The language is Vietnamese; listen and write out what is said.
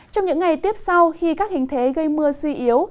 trong những ngày tiếp sau khi các hình thế gây mưa suy yếu